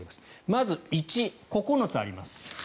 まず、１９つあります。